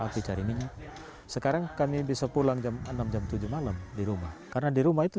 api cari minyak sekarang kami bisa pulang enam prjantuh jualan di rumah karena di rumah itu